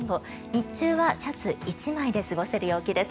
日中はシャツ１枚で過ごせる陽気です。